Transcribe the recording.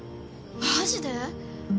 マジで？